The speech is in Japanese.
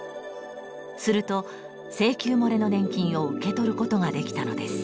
すると「請求もれの年金」を受け取ることができたのです。